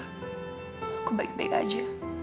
aku baik baik aja